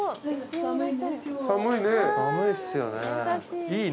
寒いね。